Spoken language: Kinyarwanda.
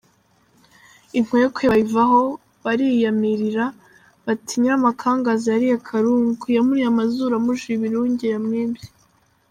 Inkwekwe bayivaho bariyamirira bati "Nyirakamagaza yariye Karungu; yamuriye amazuru amujijije ibirunge yamwibye!".